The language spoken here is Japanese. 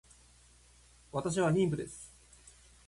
私は妊婦です